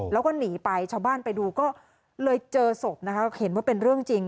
แล้วก็หนีไปชาวบ้านไปดูก็เลยเจอศพนะคะเห็นว่าเป็นเรื่องจริง